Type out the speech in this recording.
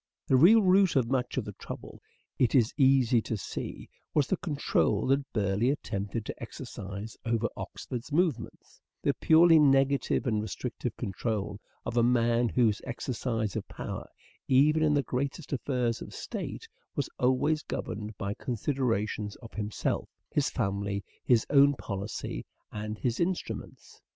The real root of much of the trouble, it is easy to see, was the control that Burleigh attempted to exercise over Oxford's movements ; the purely negative and restrictive control of a man whose exercise of power, even in the greatest affairs of state, was always governed by considerations of himself, his family, his own policy and his instruments.